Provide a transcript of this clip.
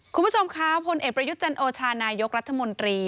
คุณผู้ชมคะฟลนไลยุจเจ็นโชคธนายกรัฐมนตรี